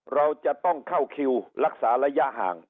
เราจะต้องเข้าคิวรักษาระยะห่าง